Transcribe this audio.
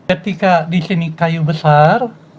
ketika di sini kayu besar